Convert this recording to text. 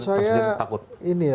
kalau menurut saya ini ya